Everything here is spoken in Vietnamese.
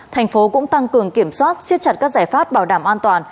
thành phố cũng tăng cường kiểm soát xiết chặt các giải pháp bảo đảm an toàn